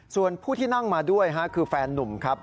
ส่วนผู้ที่นั่งมาด้วยคือแฟนนุ่มครับ